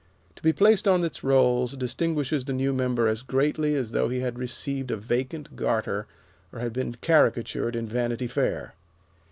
To be placed on its rolls distinguishes the new member as greatly as though he had received a vacant Garter or had been caricatured in "Vanity Fair."